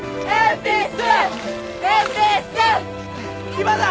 今だ！